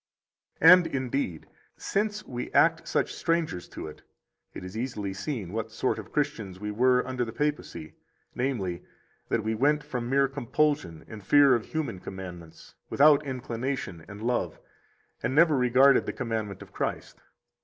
51 And, indeed, since we act such strangers to it, it is easily seen what sort of Christians we were under the Papacy, namely, that we went from mere compulsion and fear of human commandments, without inclination and love, and never regarded the commandment of Christ.